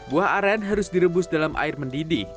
buah aren harus direbus dalam air mendidih